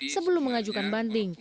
sebelum mengajukan banding